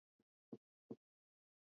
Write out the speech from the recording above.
Kamera ni kamera